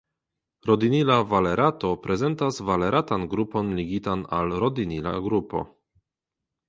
Rodinila valerato prezentas valeratan grupon ligitan al rodinila grupo.